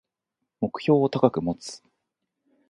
目標を高く持つ